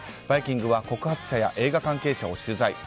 「バイキング」は告発者や映画関係者を取材。